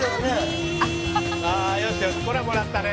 「よしよしこれはもらったね」